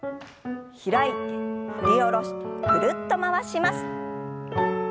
開いて振り下ろしてぐるっと回します。